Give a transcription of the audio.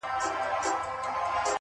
يو چا تضاده کړم. خو تا بيا متضاده کړمه.